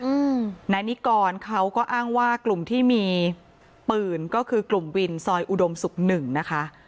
อืมนายนิกรเขาก็อ้างว่ากลุ่มที่มีปืนก็คือกลุ่มวินซอยอุดมศุกร์หนึ่งนะคะ